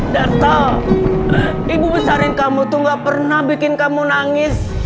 data ibu besarin kamu tuh gak pernah bikin kamu nangis